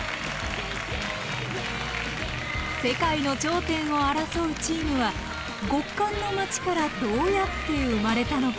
世界の頂点を争うチームは極寒の町からどうやって生まれたのか。